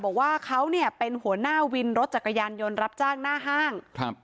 บอกว่าเขาเนี่ยเป็นหัวหน้าวินรถจักรยานยนต์รับจ้างหน้าห้างครับ